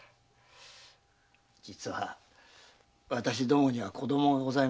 実は私どもには子供がございました。